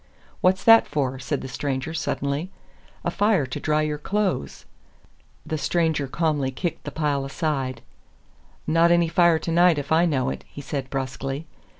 "What's that for?" said the stranger, suddenly. "A fire to dry your clothes." The stranger calmly kicked the pile aside. "Not any fire tonight if I know it," he said, brusquely.